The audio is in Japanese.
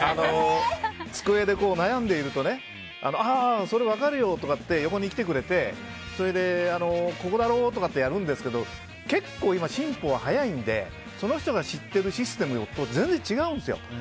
机で悩んでいるとあ、それ分かるよ！とかって横に来てくれてそれで、ここだろうとかってやるんですけども結構、今、進歩が早いのでその人が知ってるシステムと全然違うんですよ。